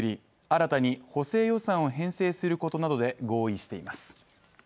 新たに補正予算を編成することなどで合意しています。